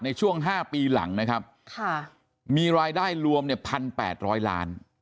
ในช่วง๕ปีหลังนะครับมีรายได้รวม๑๘๐๐ล้าน